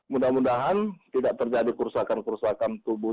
mudah mudahan tidak terjadi kerusakan kerusakan tubuh